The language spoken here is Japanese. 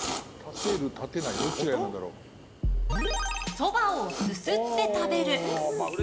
そばをすすって食べる。